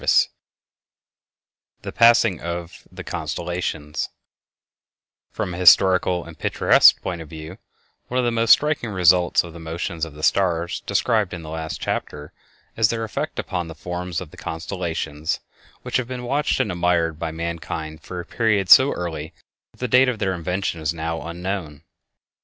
IV The Passing of the Constellations From a historical and picturesque point of view, one of the most striking results of the motions of the stars described in the last chapter is their effect upon the forms of the constellations, which have been watched and admired by mankind from a period so early that the date of their invention is now unknown.